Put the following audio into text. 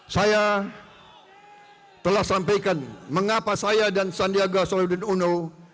saya telah sampaikan mengapa saya dan sandiaga solodin uno